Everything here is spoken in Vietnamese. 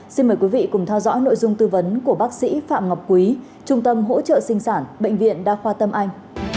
xin mời quý vị cùng theo dõi nội dung tư vấn của bác sĩ phạm ngọc quý trung tâm hỗ trợ sinh sản bệnh viện đa khoa tâm anh